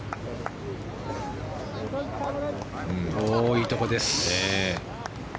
いいところです。